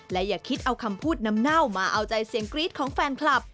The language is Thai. และอย่าคิดเอาคำพูดน้ำเน่ามาเอาใจเสียงกรี๊ดของแฟนคลับ